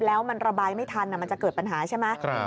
แล้วมันระบายไม่ทันมันจะเกิดปัญหาใช่ไหม